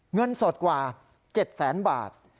เงินสดกว่า๗๐๐๐๐๐บาท